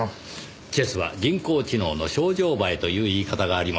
「チェスは人工知能のショウジョウバエ」という言い方があります。